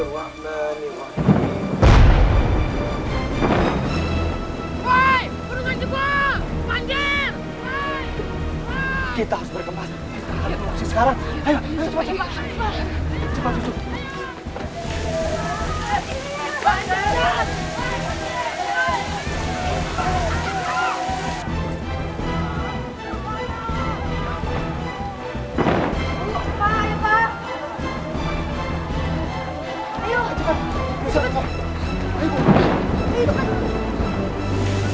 woi penunggang juga banjir